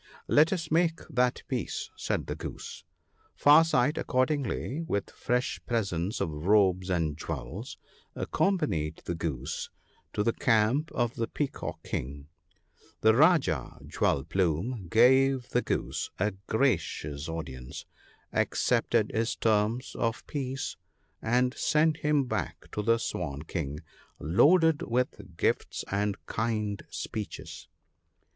' Let us make that Peace !' said the Goose. Far sight accordingly, with fresh presents of robes and jewels, accompanied the Goose to the camp of the Peacock King. The Rajah, Jewel plume, gave the Goose a gracious audience, accepted his terms of Peace, and sent him back to the Swan King, loaded with gifts and kind speeches.